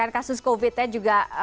kasus covid nya juga